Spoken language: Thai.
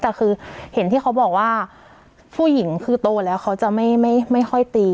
แต่คือเห็นที่เขาบอกว่าผู้หญิงคือโตแล้วเขาจะไม่ค่อยตี